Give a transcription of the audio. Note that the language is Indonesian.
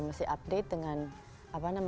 mesti update dengan